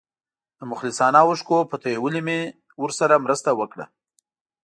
د مخلصانه اوښکو په تویولو مې ورسره مرسته وکړه.